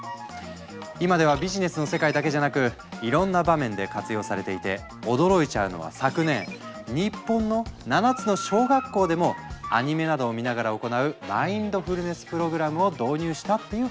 今ではビジネスの世界だけじゃなくいろんな場面で活用されていて驚いちゃうのは昨年日本の７つの小学校でもアニメなどを見ながら行うマインドフルネス・プログラムを導入したっていう話。